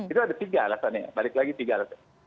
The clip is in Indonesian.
itu ada tiga alasannya balik lagi tiga alasan